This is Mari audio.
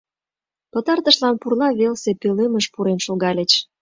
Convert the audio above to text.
Пытартышлан пурла велсе пӧлемыш пурен шогальыч.